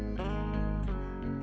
kecepatan guru itu